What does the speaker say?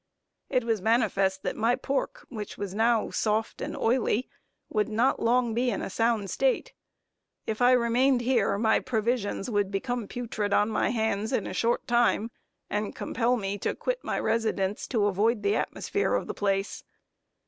It was manifest that my pork, which was now soft and oily, would not long be in a sound state. If I remained here, my provisions would become putrid on my hands in a short time, and compel me to quit my residence to avoid the atmosphere of the place.